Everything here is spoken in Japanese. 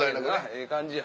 ええ感じや。